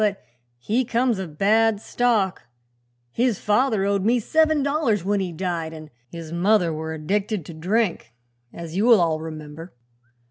But he comes of bad stock; his father owed me seven dollars when he died an' his mother were addicted to drink, as you'll all remember.